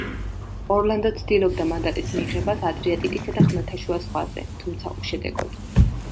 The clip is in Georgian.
ორლანდო ცდილობდა მანდატის მიღებას ადრიატიკისა და ხმელთაშუა ზღვაზე, თუმცა უშედეგოდ.